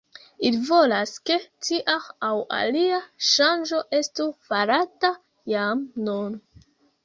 Ili volas, ke tia aŭ alia ŝanĝo estu farata jam nun.